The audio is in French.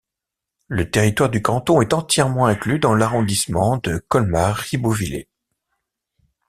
Le territoire du canton est entièrement inclus dans l'arrondissement de Colmar-Ribeauvillé.